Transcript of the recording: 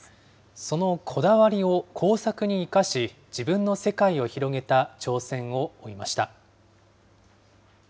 そのこだわりを工作に生かし、自分の世界を広げた挑戦を追いました。